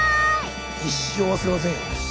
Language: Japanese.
一生忘れませんよ。